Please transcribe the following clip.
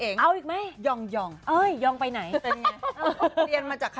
นี่ไม่เหมือนมารีทอ้อสก